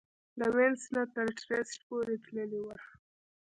له وینس نه تر ترېسټ پورې تللې وه.